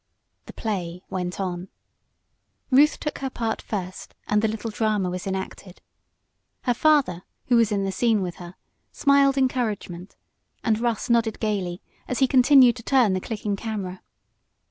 The play went on. Ruth took her part first, and the little drama was enacted. Her father, who was in the scene with her, smiled encouragement, and Russ nodded gaily as he continued to turn the clicking camera.